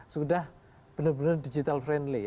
sudah benar benar digital friendly